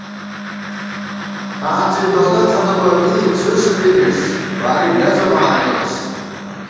ٹھان زی تونہ تھنہ بہ بی څُسبی نِݭ واری لزہ مہ آنېس